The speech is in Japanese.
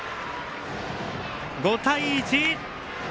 ５対１。